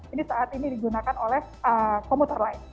ini saat ini digunakan oleh komuter lain